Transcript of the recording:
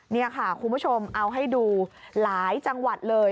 นี่ค่ะคุณผู้ชมเอาให้ดูหลายจังหวัดเลย